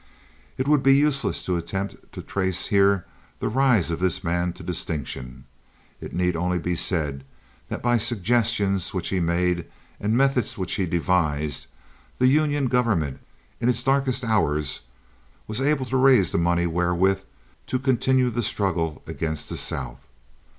It would be useless to attempt to trace here the rise of this man to distinction; it need only be said that by suggestions which he made and methods which he devised the Union government, in its darkest hours, was able to raise the money wherewith to continue the struggle against the South.